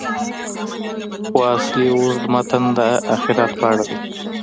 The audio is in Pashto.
خو اصلي اوږد متن د آخرت په اړه دی.